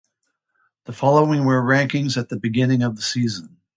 The following were the rankings at the beginning of the season.